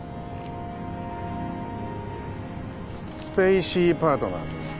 スペイシー・パートナーズ